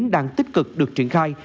đang tích cực được triển khai